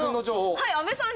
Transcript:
はい阿部さん